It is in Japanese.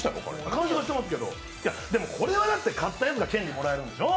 完食はしますけど、でもこれ勝った人が権利もらえるんでしょ？